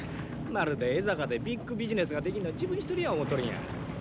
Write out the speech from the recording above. まるで江坂でビッグビジネスができるのは自分一人や思うとるんや。